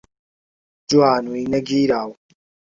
جوانووی نەگیراو